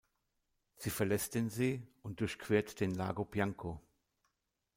Sie verlässt den See und durchquert den Lago Bianco.